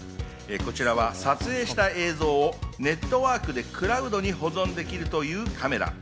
こちらは撮影した映像をネットワークでクラウドに保存できるというカメラ。